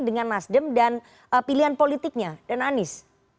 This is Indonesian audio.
dengan nasdem dan pilihan politiknya dan anies